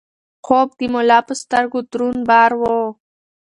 خوب د ملا پر سترګو دروند بار و.